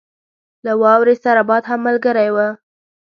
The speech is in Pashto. له واورې سره باد هم ملګری وو.